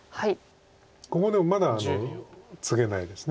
ここでもまだツゲないです。